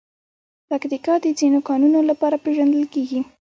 پکتیکا د ځینو کانونو لپاره پېژندل کېږي.